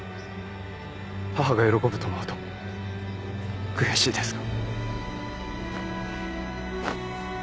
母が喜ぶと思うと悔しいですが。